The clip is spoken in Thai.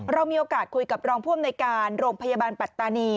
เรามีโอกาสคุยกับรองผู้อำนวยการโรงพยาบาลปัตตานี